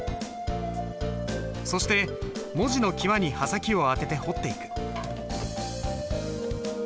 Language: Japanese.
そして文字の際に刃先を当てて彫っていく。